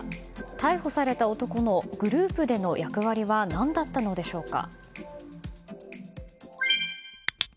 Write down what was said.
逮捕された男のグループでの役割は何だったのでしょうか。